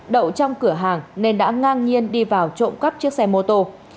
đậu trong cửa hàng nên đã ngang nhiên đi vào trộm cắp chiếc xe mô tô